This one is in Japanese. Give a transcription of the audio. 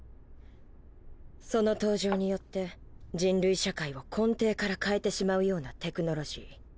その登場によって人類社会を根底から変えてしまうようなテクノロジー。